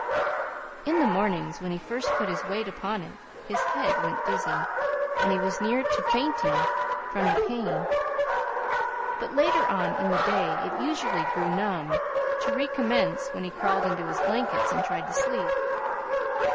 In the mornings, when he first put his weight upon it, his head went dizzy, and he was near to fainting from the pain; but later on in the day it usually grew numb, to recommence when he crawled into his blankets and tried to sleep.